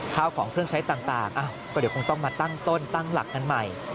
ข้าวของเครื่องใช้ต่างก็เดี๋ยวคงต้องมาตั้งต้นตั้งหลักกันใหม่